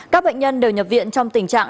các bệnh nhân đều nhập viện trong tình trạng